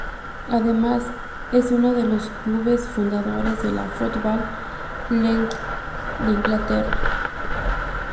Además, es uno de los clubes fundadores de la Football League de Inglaterra.